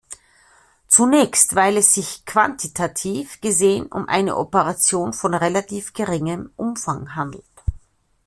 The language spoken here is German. Zunächst, weil es sich quantitativ gesehen um eine Operation von relativ geringem Umfang handelt.